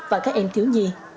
và các em thiếu nhi